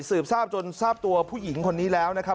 สืบทราบจนทราบตัวผู้หญิงคนนี้แล้วนะครับ